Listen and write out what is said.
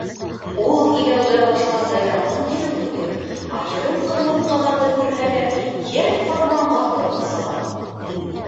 Ул иләүгә башҡаса яҡын килеү түгел, айырым ҡырмыҫҡаларҙы күрһә лә йән-фарманға тороп саба.